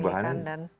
perubahan sangat drastis